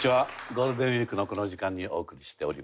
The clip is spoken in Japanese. ゴールデンウィークのこの時間にお送りしております